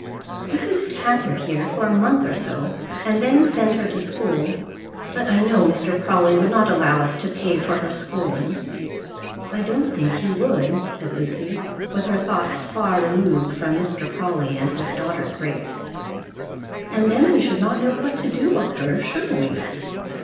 "If we could have her here for a month or so and then send her to school; but I know Mr. Crawley would not allow us to pay for her schooling." "I don't think he would," said Lucy, with her thoughts far removed from Mr. Crawley and his daughter Grace. "And then we should not know what to do with her; should we?"